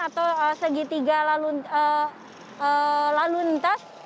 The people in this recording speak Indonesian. atau segitiga lalu lintas